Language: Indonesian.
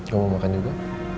kamu mau makan juga